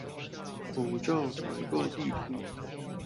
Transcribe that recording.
口罩採購地圖